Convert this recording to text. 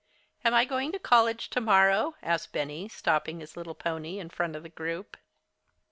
"Am I going to college tomorrow?" asked Benny, stopping his little pony in front of the group.